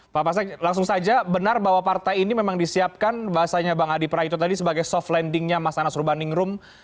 pak pasek langsung saja benar bahwa partai ini memang disiapkan bahasanya bang adi praetno tadi sebagai soft landingnya mas anas urbaningrum